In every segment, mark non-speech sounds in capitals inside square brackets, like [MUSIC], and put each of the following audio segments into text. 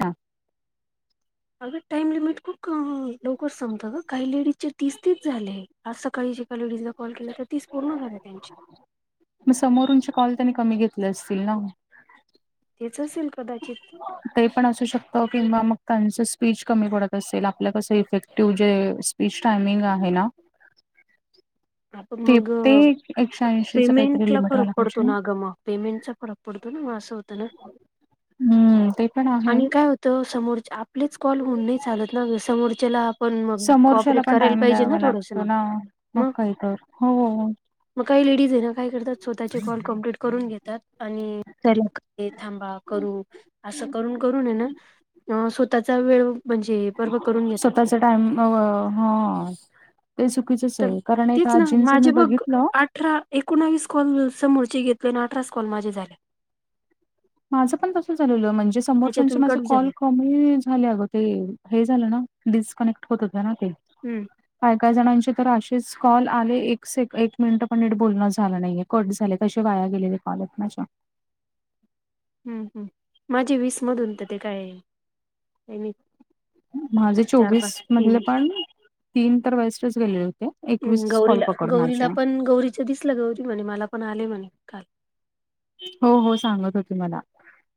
हां अग time limit खूप लवकर संमपत का काही लेडीज चे तीस तिस झाले. आज सकाळी जेका डीजला कॉल केला तर तीच पूर्ण झाल्या त्यांचे. मग समोरंचे कॉल त्यांनी कमी घेतले असतील ना. तेच असेल कदाचित. ते पण असू शकत किंवा मग त्यांच स्पीच कमी पडत असेल आपलं कसं इफेक्टिव्ह जे स्पीच टायमिंग आहे ना आपण ते मग ते एकशे ऐंशीच काहीतरी पेमेंट ला लिमिट फरक व्हायला पाहिजे पडतो ना ग मग पेमेंटचा फरक पडतो ना म असं होत ना. हम्म ते पण आहे. तर समोरच्या आपलेच कॉल होऊन नाही चालत ना समोरच्याला आपण मग समोरच्याला कॉपरेट पण करायला टाइम पाहिजे ना द्यावा थोडंसं लागतो ना मग काहीत हो मग काही लेडीज आहे ना काय करतात स्वतःचे कॉल कम्प्लीट करून घेतात. आणि थांबा करू असं करून करून ये ना अ स्वतःचा वेळ म्हणजे बरोबर करून घेतात ते स्वतःचा टाइम अ ह ते चुकीचच तर आहे कारण एक तेच ना आजींचं माझे मी बघ बघितलं अठरा एकोणावीस कॉल समोरचे घेतले आणि अठराच कॉल माझे झाले. माझं पण तसं झालेलं म्हणजे समोरच्यांचे त्याच्यातून माझे कट कॉल झाले कमीच झाले अगं ते हे झालं ना डिस्कनेक्ट होत होतं ना ते हम्म काय काय जणांचे तर असेच कॉल आले एक सक एक मिनिट पण नीट बोलणं झालं नाहीय. कट झाले तसे वाया गेलेले कॉल [INAUDIBLE] हम्म हम् माझी वीस मधून तर ते काय मी माझे चार पाच चोवीस मधले तीन पण तीन तर वेस्टच गेलेले होते एकवीसच कॉल पकड माझे अच्छा दिसलं गौरी म्हणे मला पण आले म्हणे काल हो हो सांगत होती मला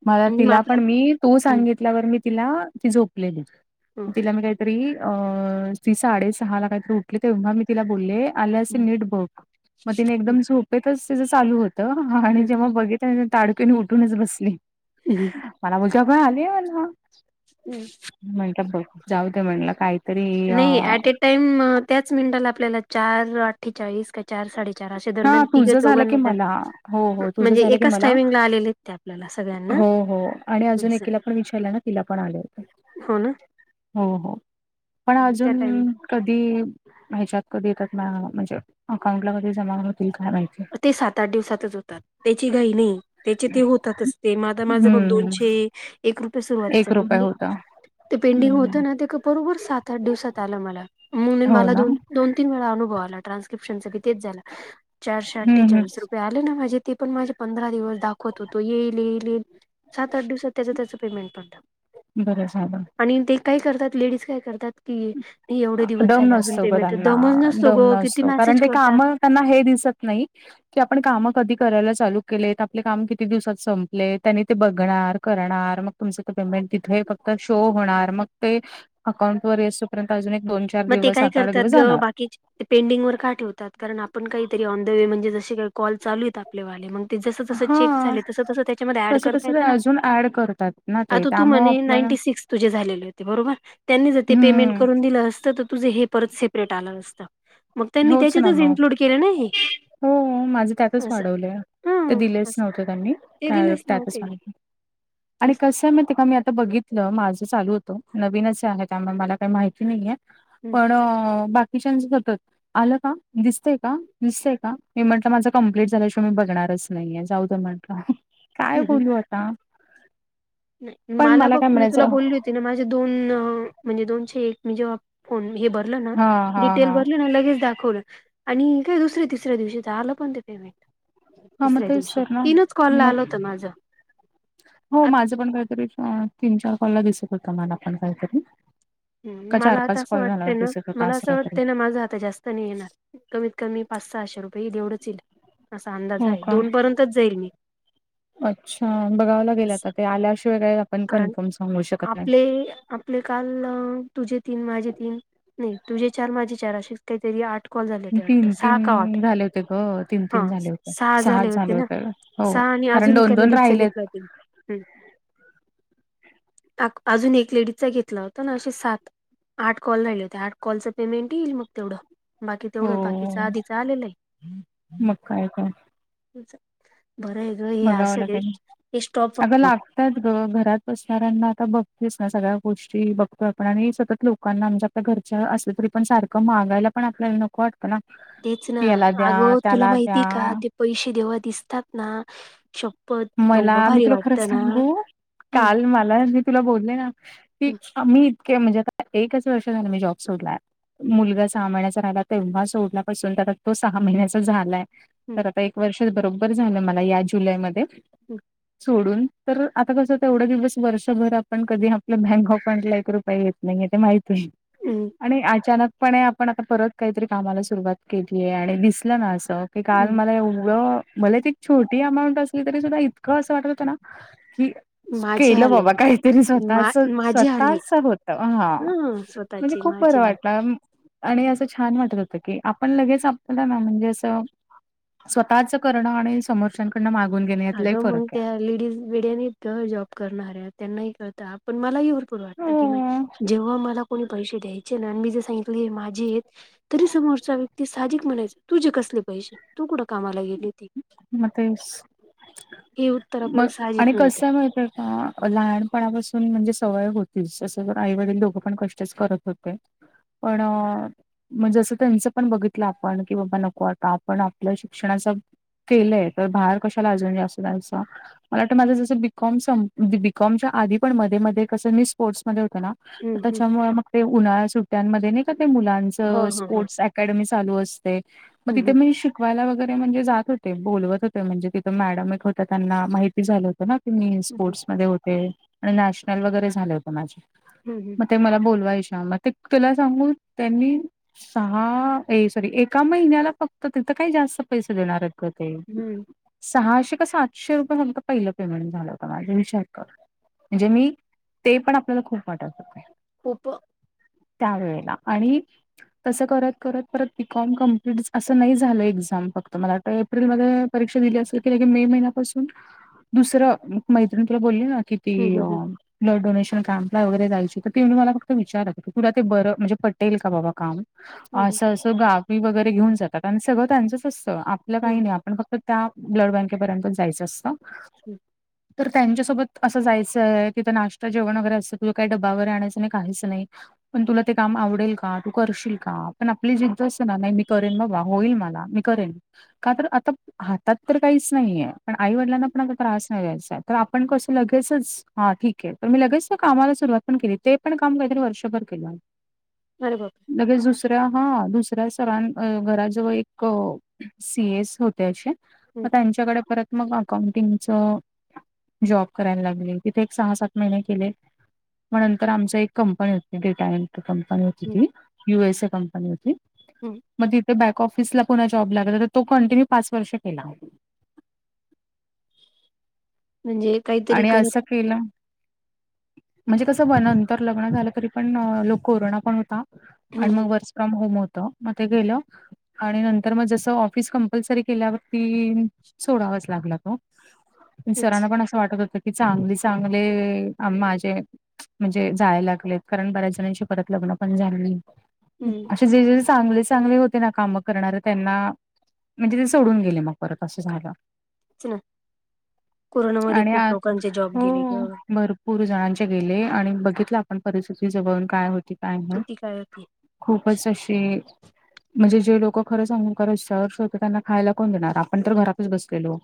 मला तिला पण मी तु सांगित उठल्यावर मी तिला ती झोपलेली मग तिला मी काहीतरी अ ती साडेसहा ला काहीतरी उठली तेव्हा मी तिला बोलले आल्या असीन आपल्या नीट बघ मग तिने एकदम झोपेतच तिजं चालू होतं आणि जेव्हा बघितलं ना तिनं ताडकिन उठूनच बसली. [UNINTELLIGIBLE] मला बोलती अग आलीये ना हम्म. [INAUDIBLE] बघ जाऊ दे म्हणलं काईत नाही ऍट ए टाईम अ त्याच मिनिटाला आपल्याला चार अठ्ठेचाळीस काही चार साडे चार अशा हा दरम्यान तिघं तुझं झालं की चौघांनला मला हो उम हो तुझं म्हणजे झालं की एकाच मला टायमिंगला आलेले. ते आपल्याला सगळ्यान हो हो आणि अजून एकीला पण विचारलं ना तिला पण आले होते. हो ना. हो हो पण त्या टायमिंग अजून कधी ह्याच्यात कधी येतात म म्हणजे अकाउंटला कधी जमा होतील काय माहीत ते सात आठ दिवसातच होत. त्याची घाई नाही त्याचे ते होतातच ते माद माझं बघ हम्म दोनशे एक रुपया सुरुवातीचा एक रुपये पिंडी होता ते पेंडिंग हम्म होतं ना ते क बरोबर सात आठ दिवसात आलं मला म्हणून हो मला ना दोन दोन तीन वेळा अनुभव आला ट्रानस्क्रिप्शनच भी तेच झाला. चारशे हम्म हम्म अठ्ठेचाळीस रुपये आले ना माझे ते पण माझे पंधरा दिवस दाखवत होतो येईल येईल येईल सात आठ दिवसात त्याच त्याच पेमेंट पडलं. बरं झालं. काही करतात लेडीज काय करतात कि नाही एवढे दिवस दम झाले अजून नसतो ग पेमेंटच त्यांना दमच नसतो दम ग किती नसतो कारण मेसेज ते करतात काम त्यांना हे दिसत नाही की आपण काम कधी करायला चालू केलेत आपले काम किती दिवसात संपले त्यांनी ते बघणार करणार मग तुमचं ते पेमेंट तिथं एक फक्त शो होणार मग ते अकाउंट वर येऊस तोपर्यंत अजून एक दोन चार मग ते दिवस काय सात आठ करत्यात दिवस ग जाणार. बाकीची ते पेंडिंग वर का ठेवतात कारण आपण काहीतरी ऑन द वे म्हणजे जसे काही कॉल चालू आहेत आपले वाले मग ते जसं जसं चेक हा. झाले तसं तसं त्याच्यामध्ये ऍड तसं करता तसं ते येत ना अजून ऍड करतात ना ते आता तू त्यामुळं म्हणे आपल्याला नाइंटी सिक्स तुझे झालेले होते बरोबर त्यांनी जर ते पेमेंट हम्म करून दिलं असतं तर तुझं हे परत सेपरेट आलं असतं. मग त्यांनी होच ना त्याच्यातच मग इन्क्लूड केलं ना हे हो माझं त्यातच असं वाढवलं या हा ते दिलेच असं नव्हते त्यांनी ते का दिलेच त्यातच नव्हते वाढवले आणि असं कसं आहे माहिती का मी आता बघित तल माझं चालू होतं नवीनच आहे त्यामुळे मला काही माहिती नाहीये हं, पण अ बाक किशन्स बतत आलं का दिसतंय का दिसतंय का मी म्हंटलं माझं कंप्लीट झाल्याशिवाय मी बघणारच नाहीये जाऊ दे म्हण काय काय हं, हं. बोलू आता नाही, पण मला बघ काय मी तुला म्हणायचं बोलली होती ना माझे दोन अ, म्हणजे दोनशे एक म्हणजे फोन, हे भरलं ना हां, हां, डिटेल हां. भरली ना लगेच दाखवलं. आणि काय दुसऱ्या तिसऱ्या दिवशी तर आलं पण ते पेमेंट हां, मग तिसऱ्या तेच दिवशी तर ना. तीनच कॉलला मग आलं होत माझं हो आता माझं पण काहीतरी इश्यु आहे तीन चार कॉलला दिसत होतं मला पण काहीतरी हम् का मला आता असं कॉल झाल्यावर वाटतंय ना दिसत होता मला असं काहीतरी. वाटतंय ना माझं आता जास्त नाही येणार कमीत कमी पाच सहाशे रुपये तेवढंच येईल, असा अंदाज हो आहे, का? दोन पर्यंतच जाईल मी. अच्छा, बघाव लागेल असं आता ते आल्याशिवाय काय आपण कारण कन्फर्म सांगू शकत नाही. आपले आपले काल, तुझे तीन माझे तीन नाही, तुझे चार माझे चार असेच काहीतरी आठ कॉल झाले होते वाटत, तीन सहा का आठ तीन झाले होते ग तीन हा, तीन झाले होते सहा सहाच झाले होते ना. हो सहा आणि कारण अजून एका दोन दोन लेडीजचा राहिलेत घेतला. अजून एक लेडीजचा घेतला होता. तर ना असे सात, आठ कॉल राहिले होते, आठ कॉलचं पेमेंट येईल मग तेवढं. बाकी हो तेवढंच, बाकीचा आधीच आलेलं आहे. मग काय का बरं आहे ग हे असं आहेत, हे स्टॉप त्यात ग, घरात बसणाऱ्यांना आता बघतीस ना सगळ्या गोष्टी बघतोय आपण आणि सतत लोक लोकांना आमच्या आपल्या घरच्या, असलं तरी पण सारखं मागायला पण आपल्याला नको नको वाटतं ना, तेच ना याला द्या, अगं तुला त्याला माहिती का द्या. ते पैसे जेव्हा दिसतात ना श मला, मी तुला खरं सांगू, हम्म काल मला तुला बोलले ना, की, हम्म आम्ही इतके म्हणजे आता एकच वर्ष झालं मी जॉब सोडला. हम्म मुलगा सहा महिन्याचा राहिला तेव्हा सोडल्यापासून तर तो सहा महिन्याचा झालायं. हम्म तर आता, एक वर्ष बरोबर झालं. मला या जुलैमध्ये. हम्. सोडून, तर आता कस तेवढं दिवस? वर्षभर आपण कधी आपल्या बँक अकाउंट ला, एक रुपया येत नाही ते माहित [UNINTELLIGIBLE] हम्म आणि अचानकपणे पण आता परत काहीतरी कामाला सुरुवात केलीये आणि दिसलं ना असं की काल हम्म. मला एवढं, भले ती छोटी अमाऊंट असली तरी सुद्धा इतकं असं वाटत होत ना, की माझे केलं आले बाबा काहीतरी मा स्वतःच, माझे आले स्वतःच होत हा. ह म्हणजे स्वतःचे खूप बरं माझे वाटला आम. आणि असं छान वाटत होतं की, आपण लगेच आपल्याला ना म्हणजे असं स्वतःच करणं आणि समोरच्याांकडून मागून घेणं यात लई अगं मग फरक हाय. त्या लेडीज. विड्यानी तर, जॉब करणाऱ्या त्यांनाही कळत आपण मलाही भरपूर वाटत की हो. म्हणजे, जेव्हा मला कोणी पैसे द्यायचे ना? आणि मी जे सांगितलेत माझे एत तरी समोरचा व्यक्ती सहाजिक म्हणायचा, तुझे कसले पैसे? तू कुठं कामाला गेले होती? म तेच, हे उत्तर आपल्याला मग साहजिक आणि मिळतं कसं माहिती ए? आ, लहानपणापासून म्हणजे सवय होतीच असं तर, आई वडील दोघं पण कष्टच करत होते. पण अ म जसं त्यांचं पण बघितलं आपण, की बाबा नको आता आपण आपल्या शिक्षणाचा केलंय, तर बाहेर कशाला आजून जास्त जायचं. मला वाटतं माझं जसं बीकॉम संप, बीकॉमच्या आधी पण मध्ये मध्ये कसं मी स्पोर्ट्स मध्ये होते ना? हम्म हम्म त्याच्यामुळे मग ते उन्हाळ्याच्या सुट्ट्यांमध्ये नाही का ते, मुलांच हा हा हा स्पोर्ट्स ऍक्ट अकॅडमी चालू असते, मग तिथे हम्म मी शिकवायला वगैरे म्हणजे जात होते. ते बोलवत होते, म्हणजे तिथं मॅडम एक होत्या त्यांना माहिती झालं होत ना. मी हम्म हम्म स्पोर्ट्समध्ये होते आणि नॅशनल वगैरे झालं होतं माझ. हुं. मग ते मला बोलवायच्या मग ते तुला सांगून त्यांनी सहा ए सॉरी, एका महिन्याला फक्त तिथं काही जास्त पैसे देणार आहेत. ग ते हम्म हम्म. सहाशे का सातशे रुपये फक्त पहिलं पेमेंट झालं होत. माझ विचार कर. म्हणजे मी ते पण, आपल्याला खूप वाटत होतं. खुपअ त्यावेळेला आणि तसं करत करत परत बीकॉम कमप्लीट असं नाही झालं. एक्झाम फक्त मला एप्रिलमध्ये परीक्षा दिली असेल कि, लगे मे महिन्यापासून दुसरं, मैत्रिण तुला बोलली ना कि, हम्म ती अ हम्म ब्लड डोनेशन कॅम्पला वगैरे जायची तर, ते मला फक्त विचारल, की तुला ते बरं म्हणजे पटेल का बाबा काम? हम्म हम्म असं असं गावी वगैरे घेऊन जातात आणि सगळं त्यांचच असतं, आपलं हम्म काही हम्म नाही पण फक्त त्या ब्लड बँकेपर्यंतच जायचं असतं. [INAUDIBLE] तर त्यांच्यासोबत असं जायचंय तिथं, नाश्ता जेवण वगैरे असतं. तुला काही डब्बा वगैरे आणायच नाही, काहीच नाही. पण तुला ते काम आवडेल का? तू करशील का? पण आपली जिद्द असंते ना. नाही मी करेन बाबा होईल मला. मी करेन का तर आता हातात तर काहीच नाहीये पण, आई वडिलांना पण आता त्रास नाही द्यायचा हाय तर आपण कसं लगेचच? हा ठीक आहे. मी लगेच त्या कामाला सुरुवात पण केली. ते पण काम काहीतरी वर्षभर केलं. अरे बापरे! लगेच दुसऱ्या हा दुसऱ्या सरांन घराजवळ एक अ सी एस होते. असे मग हम्म त्यांच्याकडे परत मग अकाउंटिंग च जॉब करायला लागले. तिथे एक सहा सात महिने केले. मग नंतर आमची एक कंपनी होती. डेटाइन ती कंपनी होती हम्म ती यु एस ए कंपनी होती, हम्म मग तिथे बॅक ऑफिसला कोणाच्या जॉब लागला तर तो कंटिन्यू पाच वर्ष केला म्हणजे काहीतरी आणि करत असं केलं म्हणजे कस नंतर लग्न झालं तरी पण लोक कोरोना पण होता हम्म आणि हम्म. मग वरच् फ्रॉम होम होत मग ते गेलं आणि नंतर मग जसं ऑफिस कंपल्सरी केल्यावरती सोडावाच लागला तो तेच सरांना पण असं वाटत होतं की चांगले चांगले माझे म्हणजे जाय लागलेत कारण बऱ्याच जणांशी परत लग्न पण झाले नाही हम्म असे जे जे चांगले चांगले होते ना कामं करणारे त्यांना म्हणजे ते सोडून गेले मग बर असं झालं तेच ना कोरोनामध्ये आणि खूप आ लोकांचे जॉब हो गेले ग भरपूर पूर जणांचे गेले आणि बघितलं आपण परिस्थिती जवळून काय होती काय नाही किती काय होते खूपच असे म्हणजे जे लोक खरं सांगू कर्स होते त्यांना खायला कोण देणार आपण तर घरातच बसलेलो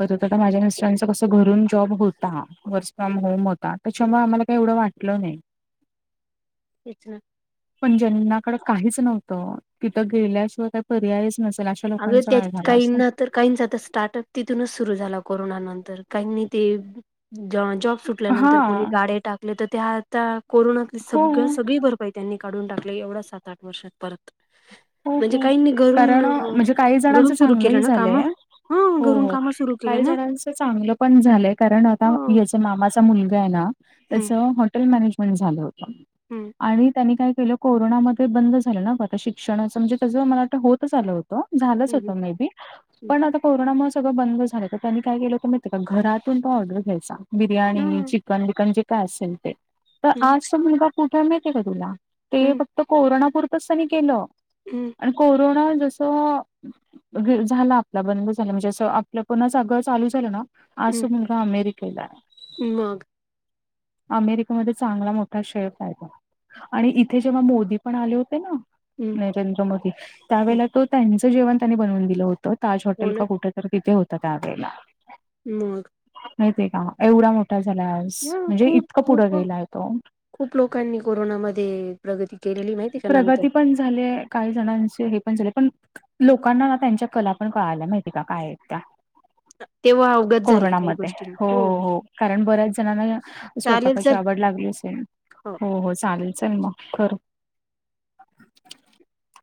बर तर माझ्या मिस्टरांच कस घरून जॉब होता वर्स फ्रॉम होम च त्याच्यामुळे आम्हाला काही एवढं वाटलं नाही इच ना पण ज्यांनाकडे काहीच नव्हतं तिथं गेल्याशिवाय काही पर्यायच नसेल अशी अग त्याच काही ना तर काहींचात स्टार्टअप तिथूनच सुरु झाला कोरोना नंतर काही ते जॉन जॉब सुटल्यानंतर कोणी हा गाडे टाकले तर त्या आता कोरोनानातील हो सगळं सगळी भर बाई त्यांनी काढून टाकले एवढा सात आठ वर्षात परत हो म्हणजे हो काहींनी घरून कारण अ म्हणजे काही घरून जणांचं सुरू चांगलंही केलं ना काम झालंय हा हो घरून हो काम सुरू केले काही ना जणांचं चांगलं पण झालंय कारण आता हं तो मामाचा मुलगा आहे ना त्याच हॉटेल मॅनेजमेंट झालं होत हम्म आणि त्यांनी काय केलं कोरोनामध्ये बंद झालं ना ग आता शिक्षणाचं म्हणजे त्याचं मला वाटतं होतच आलं होतं झालंच होत हं मे बी पण आता कोरोनामुळे सगळं बंद झालं तर त्यांनी काय केलं तर माित का घरातून तो ऑर्डर घ्यायचा हं बिर्याणी हं चिकन बिकन जे काय असेल ते तर हं आज तर मुलगा कुठे मिळ का तुला ते हं फक्त कोरोनापुरतंच त्यांनी केलं हम् आणि कोरोना जसं झाला आपला बंद झाला म्हणजे असं आपलं पणच सगळ चालू झालं ना अस हं मुलगा अमेरिकला आहे हं मग अमेरिकेमध्ये चांगला मोठा शेप आहे तो आणि इथे जेव्हा मोदी पण आले होते ना हम् रेंद्र मोदी त्यावेळेला तो त्यांचं जेवण त्यांनी बनवून दिलं होतं ताज हो हॉटेल ना का कुठ तर तिथे होतं त्यावेेळेला मग माती का एवढा मोठा झाला आज ह म्हणजे खूप इतकं पुढं खूप गेलाय तो खूप लोकांनी कोरोनामध्ये प्रगती केलेली माहिती आहे का नंतर झा काही जणांचे हे पण झाले पण लोकांना ना त्यांच्या कला पण कळायला माहिती का काय आहेत त्या तेव्हा अवगत झाल्या काही कोरोनामध्ये गोष्टी हो हो कारण बऱ्याच जणना चालेल स्वयंपाकाची चल आवड लागली असे ना हो हो चालेल चाल मग खर अ [UNINTELLIGIBLE]